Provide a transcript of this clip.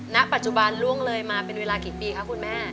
ณปัจจุบันล่วงเลยมาเป็นเวลากี่ปีคะคุณแม่